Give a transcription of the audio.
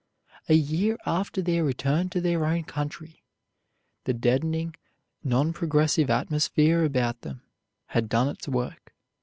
A year after their return to their own country, the deadening, non progressive atmosphere about them had done its work.